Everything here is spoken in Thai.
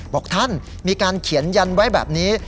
บอกท่านมีการเขียนยันไว้แบบนี้